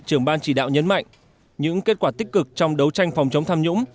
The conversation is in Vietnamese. trưởng ban chỉ đạo nhấn mạnh những kết quả tích cực trong đấu tranh phòng chống tham nhũng